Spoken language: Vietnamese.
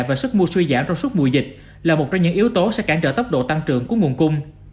và sức mua suy giảm trong suốt mùa dịch là một trong những yếu tố sẽ cản trở tốc độ tăng trưởng của nguồn cung